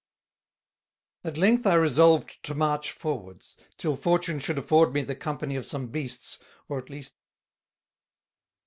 At length I resolved to march forwards, till Fortune should afford me the company of some Beasts, or at least the means of Dying.